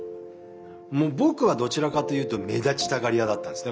もう僕はどちらかというと目立ちたがり屋だったんですね